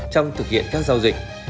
trong thực hiện các giao dịch